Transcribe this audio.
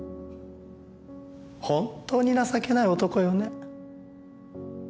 本当に情けない男よね。